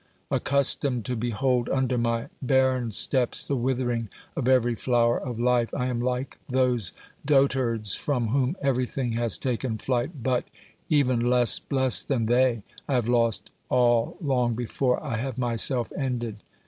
Accustomed to behold under my barren steps the withering of every flower of life, I am like those dotards from whom everything has taken flight, but, even less blessed than they, I have lost all long before I have myself ended.